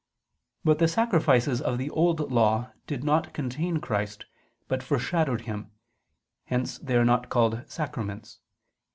But the sacrifices of the Old Law did not contain Christ, but foreshadowed Him; hence they are not called sacraments.